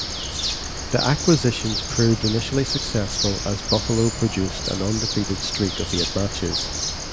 The acquisitions proved initially successful as Buffalo produced an undefeated streak of eight matches.